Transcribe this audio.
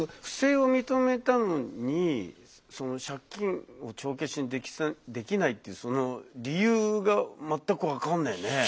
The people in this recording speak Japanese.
不正を認めたのにその借金を帳消しにできないってその理由が全く分かんないね。